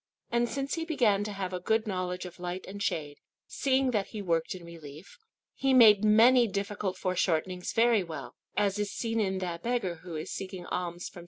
And since he began to have a good knowledge of light and shade, seeing that he worked in relief, he made many difficult foreshortenings very well, as is seen in that beggar who is seeking alms from S.